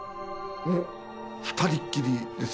２人っきりです。